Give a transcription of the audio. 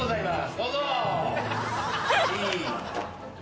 どうぞ。